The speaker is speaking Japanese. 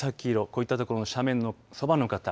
こういった所の斜面のそばの方